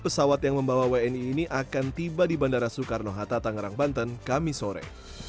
pesawat yang membawa wni ini akan tiba di bandara soekarno hatta tangerang banten kami sore